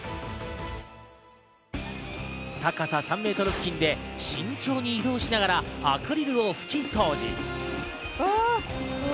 高さ３メートル付近で慎重に移動しながらアクリルを拭き掃除。